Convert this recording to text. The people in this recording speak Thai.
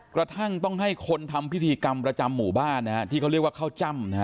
กระทั่งต้องให้คนทำพิธีกรรมประจำหมู่บ้านนะฮะที่เขาเรียกว่าข้าวจ้ำนะฮะ